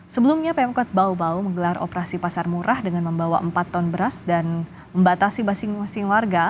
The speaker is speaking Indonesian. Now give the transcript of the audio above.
sebelumnya pemkot bau bau menggelar operasi pasar murah dengan membawa empat ton beras dan membatasi masing masing warga